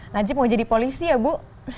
najib mau jadi polisi ya bu